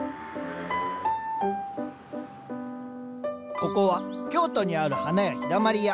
ここは京都にある花屋「陽だまり屋」。